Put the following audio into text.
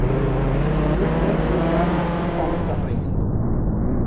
You said you cared nothing for my sufferings!